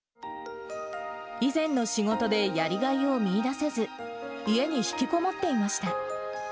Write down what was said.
以前の仕事でやりがいを見いだせず、家に引きこもっていました。